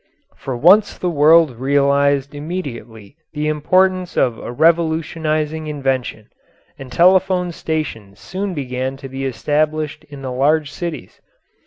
For once the world realised immediately the importance of a revolutionising invention, and telephone stations soon began to be established in the large cities.